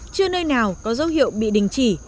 chưa nơi nào có dấu hiệu bị đình chỉ